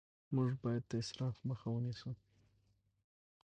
موږ باید د اسراف مخه ونیسو